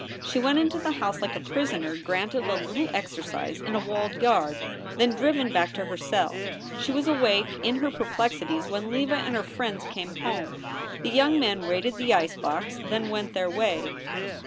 She went into the house like a prisoner granted a little exercise in a walled yard, then driven back to her cell. She was awake in her perplexities when Leva and her friends came home. The young men raided the ice box, then went their way.